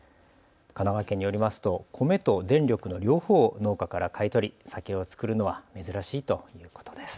神奈川県によりますと米と電力の両方を農家から買い取り酒を造るのは珍しいということです。